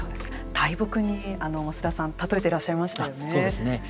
大木に、増田さん例えていらっしゃいましたよね。